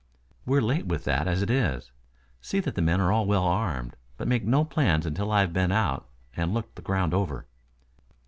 We're late with that as it is. See that the men are well armed, but make no plans until I have been out and looked the ground over."